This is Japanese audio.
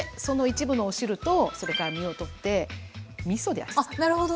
その一部のお汁とそれから身をとってみそで味つけ。